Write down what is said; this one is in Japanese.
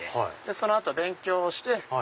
その後勉強して。